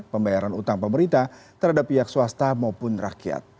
pembayaran utang pemerintah terhadap pihak swasta maupun rakyat